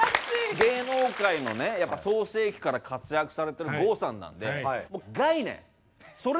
芸能界のね創成期から活躍されてる郷さん